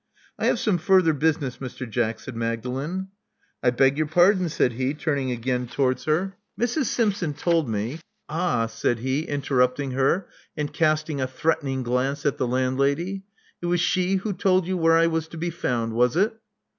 *'I have some further business, Mr. Jack," said Magdalen. ••I beg your pardon," said he, turning again towards her. 94 Love Among the Artists Mrs. Simpson told me Ah!" said he, interrupting her, and casting a threatening glance at the landlady. It was she who told you where I was to be found, was it?"